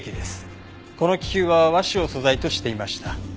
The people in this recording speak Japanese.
この気球は和紙を素材としていました。